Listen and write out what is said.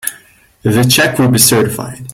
The check will be certified.